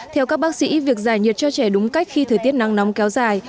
theo các bác sĩ việc giải nhiệt cho trẻ đúng cách khi thời tiết nắng nóng kéo dài